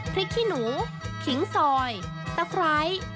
ขี้หนูขิงซอยตะไคร้